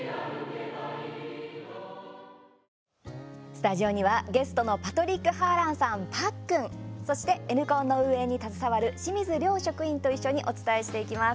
スタジオにはゲストのパトリック・ハーランさんパックンそして「Ｎコン」の運営に携わる清水亮職員と一緒にお伝えしていきます。